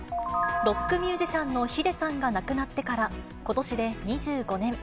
ロックミュージシャンのｈｉｄｅさんが亡くなってから、ことしで２５年。